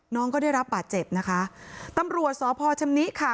น้องก็ได้รับบาดเจ็บนะคะตำรวจสพชำนิค่ะ